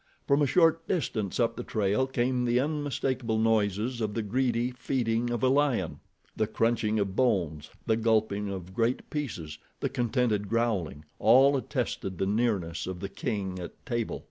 From a short distance up the trail came the unmistakable noises of the greedy feeding of a lion. The crunching of bones, the gulping of great pieces, the contented growling, all attested the nearness of the king at table.